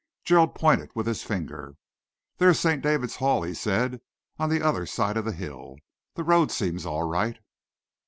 Gerald pointed with his finger. "There's St. David's Hall," he said, "on the other side of the hill. The road seems all right."